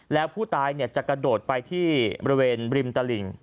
แล้วผู้ตายจะกระโดดไปที่บริเวณริมตลิ่ง